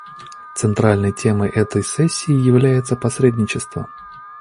Центральной темой этой сессии является посредничество.